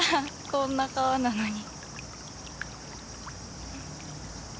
こんな川なのに。